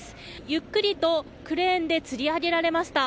ゆっくりとクレーンでつり上げられました。